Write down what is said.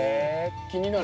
気になる。